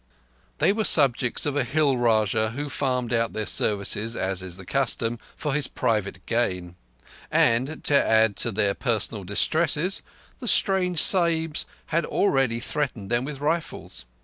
They were subjects of a Hill Rajah who farmed out their services, as is the custom, for his private gain; and, to add to their personal distresses, the strange Sahibs had already threatened them with rifles.